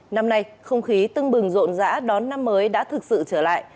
năm nay không khí tưng bừng rộn rã đón năm mới đã thực sự trở lại